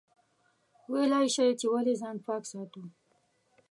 ویلای شئ چې ولې ځان پاک ساتو؟